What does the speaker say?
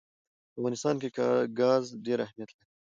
په افغانستان کې ګاز ډېر اهمیت لري.